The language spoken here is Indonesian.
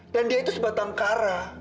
dan dia itu sebatang kara